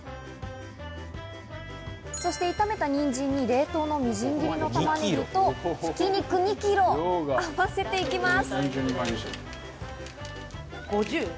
そして炒めたにんじんに冷凍のみじん切りの玉ねぎとひき肉２キロを合わせていきます。